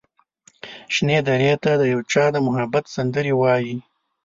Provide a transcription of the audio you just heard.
شنې درې ته د یو چا د محبت سندرې وايي